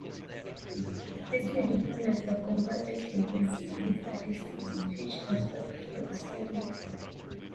This limit, known as the convergence frequency, is a distinctive feature of spectral series.